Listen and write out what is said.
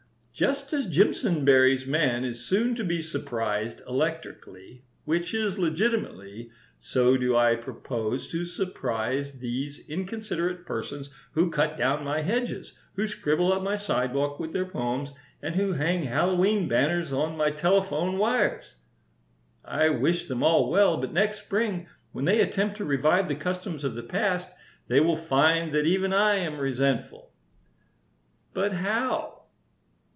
Just as Jimpsonberry's man is soon to be surprised electrically, which is legitimately, so do I propose to surprise these inconsiderate persons who cut down my hedges, who scribble up my sidewalk with their poems, and who hang Hallowe'en banners on my telephone wires. I wish them all well, but next spring when they attempt to revive the customs of the past they will find that even I am resentful." "But how?"